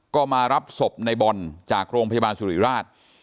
ก็มารับศพในบอลจากโรงพยาบาลสุริราช